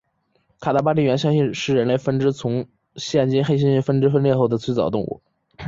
卡达巴地猿相信是人类分支从现今黑猩猩分支分裂后的最早动物。